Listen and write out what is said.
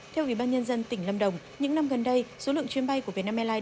theo ủy ban nhân dân tỉnh lâm đồng những năm gần đây số lượng chuyến bay của vietnam airlines